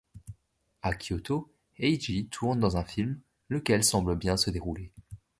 A Kyoto, Heiji tourne dans un film, lequel semble bien se dérouler.